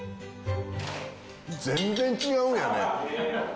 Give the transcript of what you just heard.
全然違うんやね。